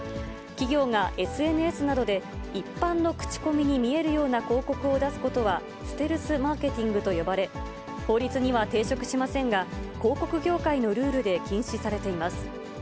企業がＳＮＳなどで、一般の口コミに見えるような広告を出すことは、ステルスマーケティングと呼ばれ、法律には抵触しませんが、広告業界のルールで禁止されています。